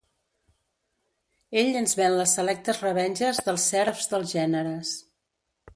Ell ens ven les selectes revenges dels serfs dels gèneres.